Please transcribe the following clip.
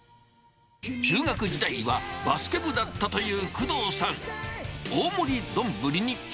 中学時代はバスケ部だったという工藤さん。